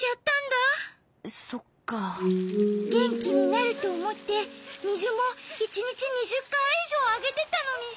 げんきになるとおもってみずもいちにち２０かいいじょうあげてたのにさ。